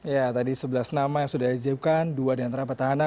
ya tadi sebelas nama yang sudah diajukan dua diantara petahana